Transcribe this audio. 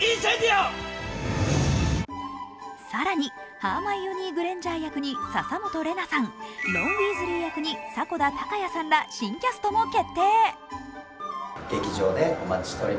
更にハーマイオニー・グレンジャー役に笹本玲奈さん、ロン・ウィーズリー役に迫田孝也さんら新キャストも決定。